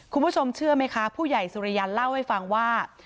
คุณผู้ชมเชื่อไหมคะผู้ใหญ่สุริยันเล่าให้ฟังว่า